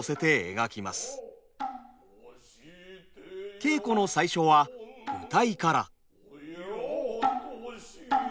稽古の最初は謡から。